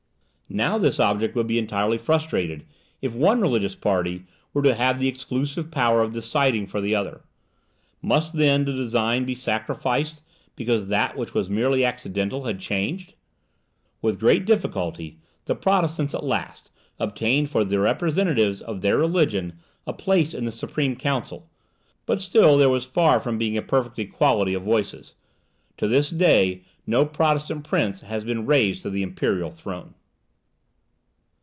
Now this object would be entirely frustrated if one religious party were to have the exclusive power of deciding for the other. Must, then, the design be sacrificed, because that which was merely accidental had changed? With great difficulty the Protestants, at last, obtained for the representatives of their religion a place in the Supreme Council, but still there was far from being a perfect equality of voices. To this day no Protestant prince has been raised to the imperial throne.